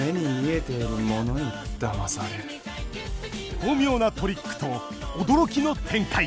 巧妙なトリックと驚きの展開。